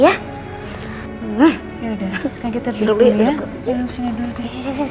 ya udah sekarang kita duduk dulu ya